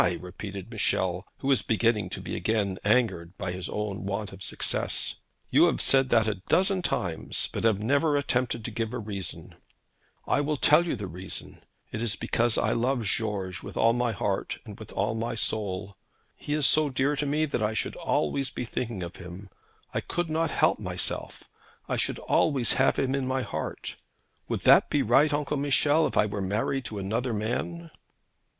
repeated Michel, who was beginning to be again angered by his own want of success. 'You have said that a dozen times, but have never attempted to give a reason.' 'I will tell you the reason. It is because I love George with all my heart, and with all my soul. He is so dear to me, that I should always be thinking of him. I could not help myself. I should always have him in my heart. Would that be right, Uncle Michel, if I were married to another man?'